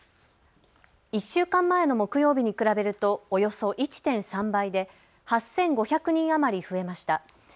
１週間前の木曜日に比べるとおよそ１．３倍で８５００人余り増えました。